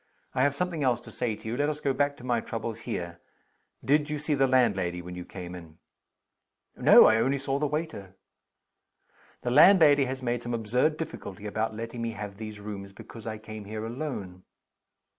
I have something else to say to you. Let us go back to my troubles here. Did you see the landlady when you came in?" "No. I only saw the waiter." "The landlady has made some absurd difficulty about letting me have these rooms because I came here alone."